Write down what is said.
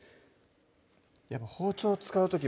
やっぱ包丁使う時